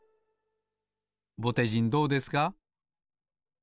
ぼてじんどうですか？